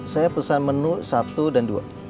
saya pesan menu satu dan dua